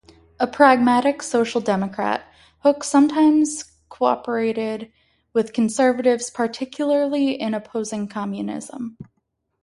A pragmatic social democrat, Hook sometimes cooperated with conservatives, particularly in opposing communism.